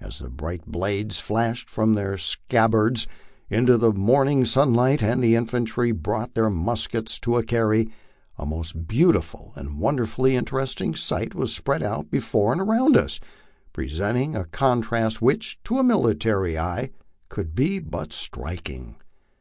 As the bright blades flashed from their scabbards into the morning sunlight, and the infantry brought their muskets to a carry, a most beautiful and wonderfully interesting sight was spread out before and around us, presenting a contrast which, to a military eye, could but be striking.